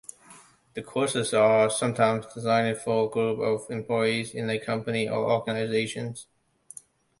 The courses are sometimes designed for groups of employees in a company or organizations.